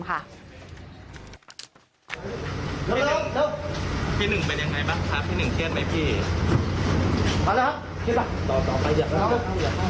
พี่หนึ่งเป็นอย่างไรบ้างคะพี่หนึ่งเกลียดไหมพี่